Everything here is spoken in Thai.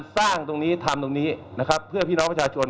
เพราะถือว่าคุณไม่มีความรับผิดชอบต่อสังคม